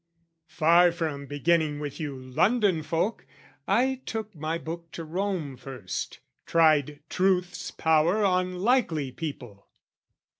Far from beginning with you London folk, I took my book to Rome first, tried truth's power On likely people.